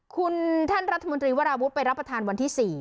คุณท่านรัฐมนตรีวราวุฒิไปรับประทานวันที่๔